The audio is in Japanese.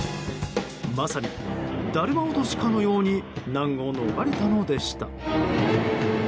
まさに、だるま落としかのように難を逃れたのでした。